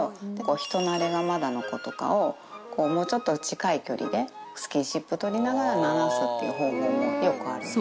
人なれがまだのことかを、もうちょっと近い距離で、スキンシップ取りながらならすっていう方法もよくあるんです。